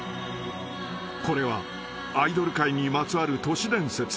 ［これはアイドル界にまつわる都市伝説］